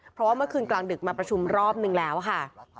เพราะว่าเมื่อคืนกลางดึกมาประชุมรอบนึงแล้วค่ะ